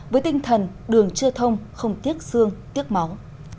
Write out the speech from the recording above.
với tinh thần đường chưa thông không tiếc xương tiếc máu